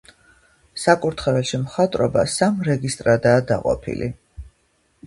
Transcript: საკურთხეველში მხატვრობა სამ რეგისტრადაა დაყოფილი.